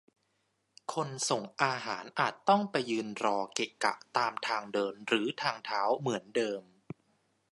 คนส่งอาหารอาจต้องไปยืนรอเกะกะตามทางเดินหรือทางเท้าเหมือนเดิม